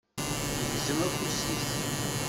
Yegzem afus-is.